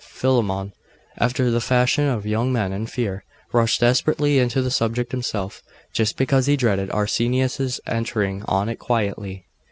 Philammon, after the fashion of young men in fear, rushed desperately into the subject himself, just because he dreaded Arsenius's entering on it quietly.